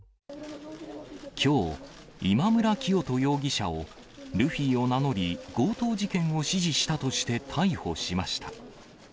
きょう、今村磨人容疑者を、ルフィを名乗り、強盗事件を指示したとして、逮捕しました。